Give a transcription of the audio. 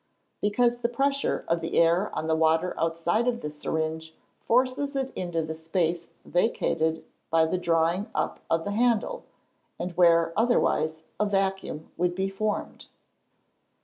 _ Because the pressure of the air on the water outside of the syringe, forces it into the space vacated by the drawing up of the handle, and where, otherwise, a vacuum would be formed.